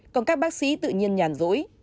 còn các bác sĩ tự nhiên nhàn dỗi